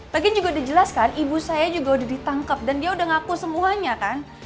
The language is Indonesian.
lagi juga udah jelas kan ibu saya juga udah ditangkep dan dia udah ngaku semuanya kan